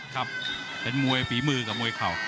ครับเป็นมวยฝีมือกับมวยเข่า